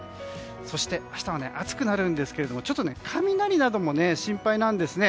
そして、明日は暑くなるんですがちょっと雷なども心配なんですね。